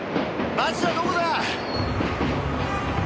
町田どこだ？